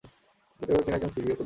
জাতিগত ভাবে তিনি একজন সিরীয় কুর্দি।